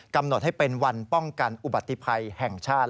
กำหนดให้เป็นวันป้องกันอุบัติภัยแห่งชาติ